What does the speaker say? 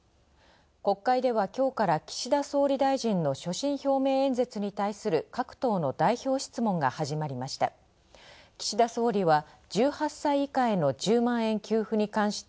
国会では今日から岸田総理大臣の所信表明演説に対する各党の代表質問が始まりました。